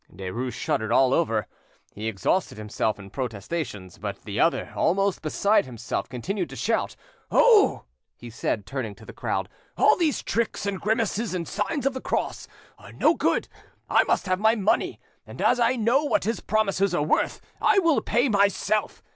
Derues shuddered all over; he exhausted himself in protestations; but the other, almost beside himself, continued to shout. "Oh!" he said, turning to the crowd, "all these tricks and grimaces and signs of the cross are no good. I must have my money, and as I know what his promises are worth, I will pay myself!